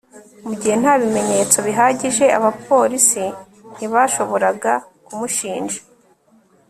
mu gihe nta bimenyetso bihagije, abapolisi ntibashoboraga kumushinja